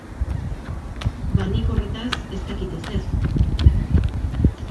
Ba nik horretaz ez dakit ezer.